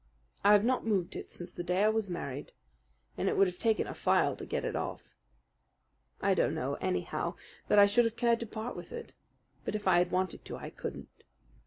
I have not moved it since the day I was married, and it would have taken a file to get it off. I don't know, anyhow, that I should have cared to part with it; but if I had wanted to I couldn't.